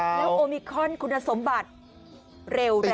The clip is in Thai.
แล้วโอมิคอนคุณสมบัติเร็วเลย